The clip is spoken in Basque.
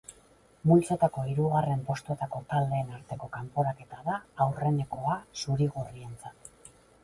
Multzoetako hirugarren postuetako taldeen arteko kanporaketa da aurrenekoa zuri-gorrientzat.